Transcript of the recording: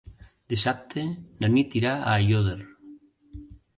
Dissabte na Nit irà a Aiòder.